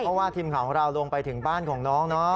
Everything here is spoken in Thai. เพราะว่าทีมข่าวของเราลงไปถึงบ้านของน้องเนาะ